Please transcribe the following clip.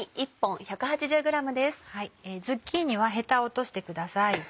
ズッキーニはヘタを落としてください。